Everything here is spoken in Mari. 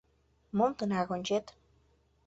— Мом тынар ончет?